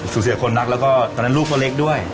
เสียคนรักแล้วก็ตอนนั้นลูกก็เล็กด้วย